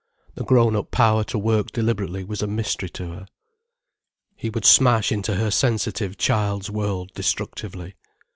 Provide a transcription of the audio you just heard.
The grown up power to work deliberately was a mystery to her. He would smash into her sensitive child's world destructively.